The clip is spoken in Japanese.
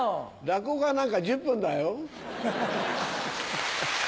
落語家なんか１０分だよ。